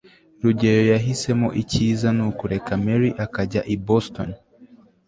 rugeyo yahisemo icyiza nukureka mary akajya i boston